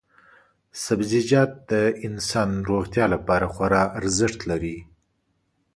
سبزیجات د انسان روغتیا لپاره خورا ارزښت لري.